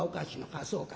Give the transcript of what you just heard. ああそうか。